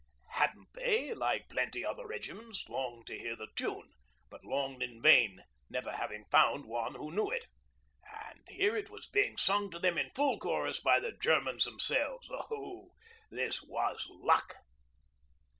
Hadn't they, like plenty other regiments, longed to hear the tune, but longed in vain, never having found one who knew it? And here it was being sung to them in full chorus by the Germans themselves. Oh, this was luck.